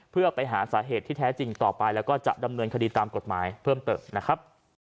เพื่อไปหาสาเหตุที่แท้จริงต่อไปแล้วก็จะดำเนินคดีตามกฎหมายเพิ่มเติมนะครับ